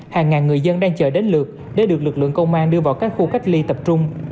hàng ngàn người dân đang chờ đến lượt để được lực lượng công an đưa vào các khu cách ly tập trung